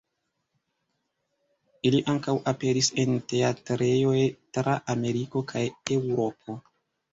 Ili ankaŭ aperis en teatrejoj tra Ameriko kaj Eŭropo.